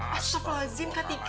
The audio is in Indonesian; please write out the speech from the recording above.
astagfirullahaladzim kak tika